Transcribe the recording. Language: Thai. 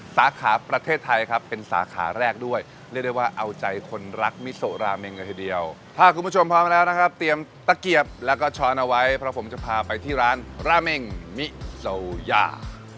สาขาประเทศไทยครับเป็นสาขาแรกด้วยเรียกได้ว่าเอาใจคนรักมิโซราเมงเลยทีเดียวถ้าคุณผู้ชมพร้อมแล้วนะครับเตรียมตะเกียบแล้วก็ช้อนเอาไว้เพราะผมจะพาไปที่ร้านราเมงมิโซยา